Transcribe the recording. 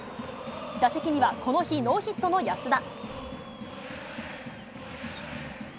打席には、この日ノーヒットの安田。